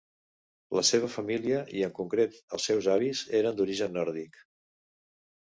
La seva família, i en concret els seus avis, eren d'origen nòrdic.